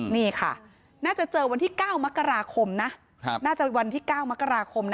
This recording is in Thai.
นี่ค่ะน่าจะเจอวันที่๙มกราคมนะน่าจะวันที่๙มกราคมนะ